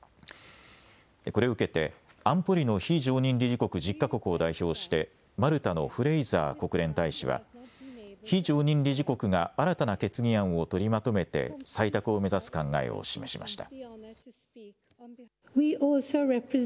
これを受けて安保理の非常任理事国１０か国を代表してマルタのフレイザー国連大使は非常任理事国が新たな決議案を取りまとめて採択を目指す考えを示しました。